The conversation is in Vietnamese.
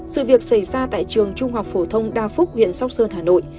sự việc xảy ra tại trường trung học phổ thông đa phúc huyện sóc sơn hà nội